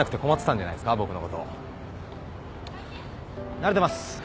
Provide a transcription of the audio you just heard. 慣れてます。